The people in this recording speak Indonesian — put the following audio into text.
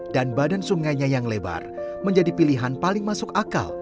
dan badan sungainya yang lebar menjadi pilihan paling masuk akal